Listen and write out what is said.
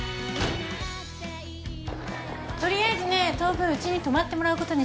取りあえずね当分うちに泊まってもらうことにしたからね。